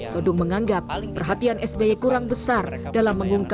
todung menganggap perhatian sby kurang besar dalam mengungkapkan